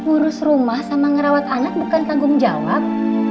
urus rumah sama ngerawat anak bukan tanggung jawab